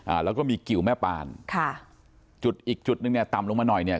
อ่าแล้วก็มีกิวแม่ปานค่ะจุดอีกจุดหนึ่งเนี้ยต่ำลงมาหน่อยเนี้ย